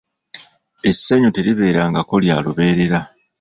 Essanyu teribeerangako lya lubeerera.